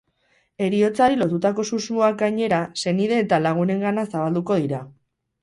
Heriotzari lotutako susmoak gainera, senide eta lagunengana zabalduko dira.